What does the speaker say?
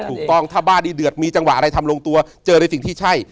ถูกต้องถ้าบ้านนี้เดือดมีจังหวะอะไรทำลงตัวเจอในสิ่งที่ใช่